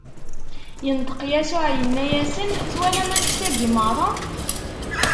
Inṭeq Yasuɛ, inna-asen: Twalam annect-agi meṛṛa?